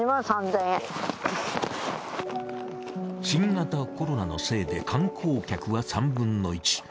新型コロナのせいで観光客は３分の１。